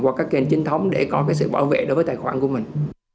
qua các kênh chính thống để có sự bảo vệ đối với tài khoản của mình